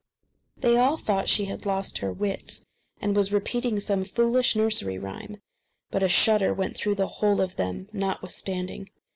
They all thought she had lost her wits, and was repeating some foolish nursery rhyme; but a shudder went through the whole of them notwithstanding.